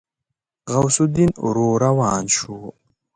غوث الدين ورو روان شو.